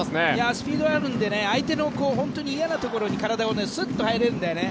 スピードがあるので相手の嫌なところに体がスッと入れるんだよね。